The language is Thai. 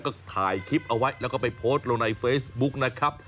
ก็ถ่ายคลิปเอาไว้แล้วก็ไปโพสต์ลงในเฟซบุ๊กนะครับ